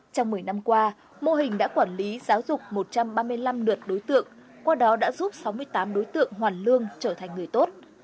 trong một mươi năm qua mô hình đã quản lý giáo dục một trăm ba mươi năm lượt đối tượng qua đó đã giúp sáu mươi tám đối tượng hoàn lương trở thành người tốt